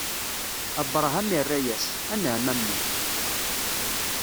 Abṛaham irra-yas: Anɛam, a mmi!